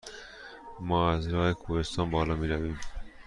ما از راه کوهستان بالا می رویم؟